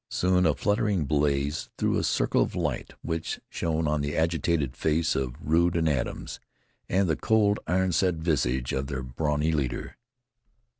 Soon a fluttering blaze threw a circle of light, which shone on the agitated face of Rude and Adams, and the cold, iron set visage of their brawny leader.